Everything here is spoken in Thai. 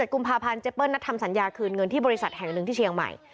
กุมภาพันธ์เจเปิ้ลนัดทำสัญญาคืนเงินที่บริษัทแห่งหนึ่งที่เชียงใหม่